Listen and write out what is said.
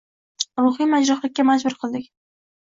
ruhiy majruhlikka majbur qildik.